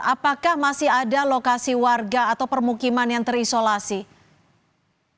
apakah masih ada lokasi warga atau permukiman yang terisolasi